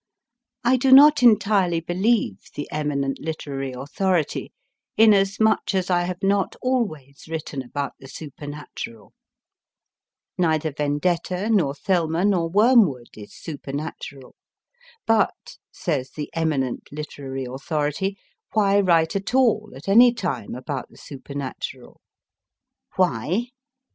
I do not entirely believe the eminent literary authority, inasmuch as I have not always written about the supernatural. Neither Vendetta, nor * Thelma/ nor Wormwood is supernatural. But, says the eminent literary authority, why write at all, at any time, about the supernatural ? Why